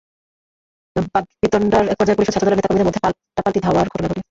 বাগ্বিতণ্ডার একপর্যায়ে পুলিশ ও ছাত্রদলের নেতা কর্মীদের মধ্যে পাল্টাপাল্টি ধাওয়ার ঘটনা ঘটে।